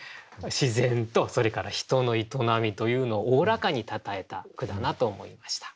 自然とそれから人の営みというのをおおらかにたたえた句だなと思いました。